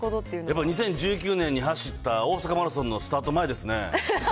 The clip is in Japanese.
やっぱり２０１９年に走った大阪マラソンのスタート前ですね